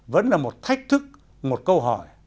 vẫn là một thách thức một câu hỏi